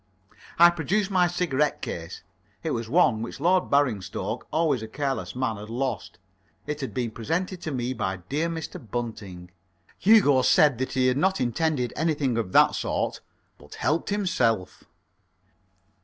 I produced my cigarette case. It was one which Lord Baringstoke always a careless man had lost. It had been presented to me by dear Mr. Bunting. Hugo said he had not intended anything of that sort, but helped himself.